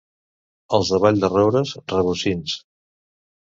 Els de Vall-de-roures, rabosins.